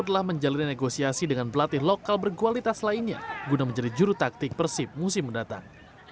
telah menjalin negosiasi dengan pelatih lokal berkualitas lainnya guna menjadi juru taktik persib musim mendatang